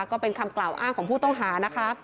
ก็เป็นคำกล่าวอ้างของผู้ต้องหานะคะ